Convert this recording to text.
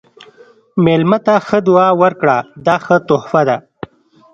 مېلمه ته ښه دعا ورکړه، دا ښه تحفه ده.